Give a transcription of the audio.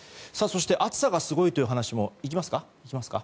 暑さがすごいという話に行きますか。